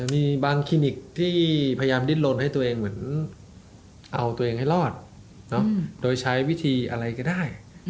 มีบางคลินิกที่พยายามดิ้นลนให้ตัวเองเหมือนเอาตัวเองให้รอดโดยใช้วิธีอะไรก็ได้